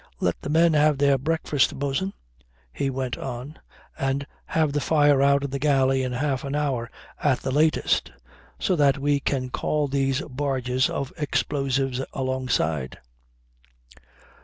"Let the men have their breakfast, bo'sun," he went on, "and have the fire out in the galley in half an hour at the latest, so that we can call these barges of explosives alongside.